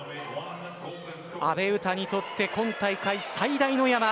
阿部詩にとって今大会最大のやま